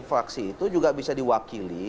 fraksi itu juga bisa diwakili